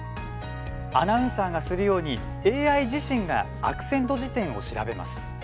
アナウンサーがするようにＡＩ自身がアクセント辞典を調べます。